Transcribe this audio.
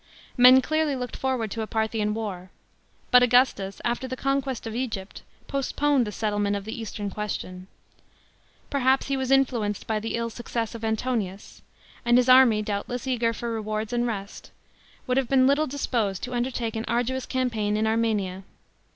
"§ Men clearly looked forward to a Parthian war. But Augustus, after the conquest of Egypt, postponed the settlement of the Eastern question. Perhaps he was influenced by the ill success of Antonius ; and his army, doubtless, eager for rewards and rest, would have been little disposed to undertake an arduous campaign in Armenia.